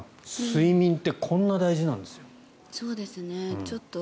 睡眠ってこんな大事なんですよ。